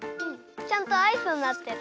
ちゃんとアイスになってる。